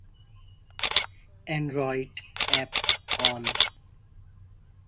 Android app on